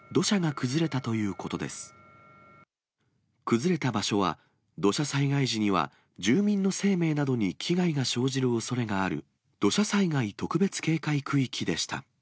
崩れた場所は、土砂災害時には住民の生命などに危害が生じるおそれがある土砂災害特別警戒区域でした。